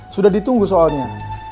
sudah ditunggu soalnya